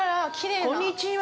こんにちは。